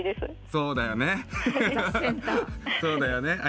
そうだよね！